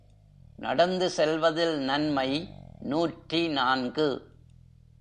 நடந்து செல்வதில் நன்மை நூற்றி நான்கு.